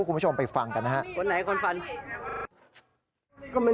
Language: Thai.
คุณผู้ชมไปฟังกันนะฮะ